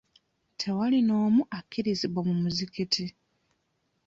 Tewali n'omu akkirizibwa mu muzikiti.